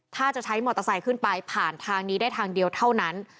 ถ้าจะใช้มอเตอร์ไซค์ขึ้นไปผ่านทางนี้ได้ทางเดียวเท่านั้น